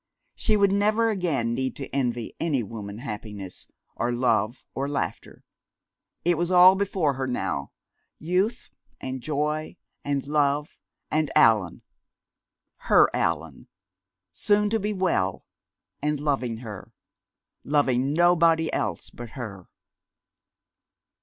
She would never again need to envy any woman happiness or love or laughter. It was all before her now, youth and joy and love, and Allan, her Allan, soon to be well, and loving her loving nobody else but her!